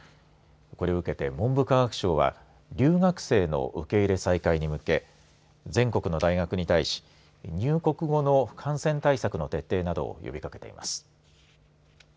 これを受けて文部科学省は留学生の受け入れ再開に向け全国の大学に対し入国後の感染対策の徹底などを呼びかけています。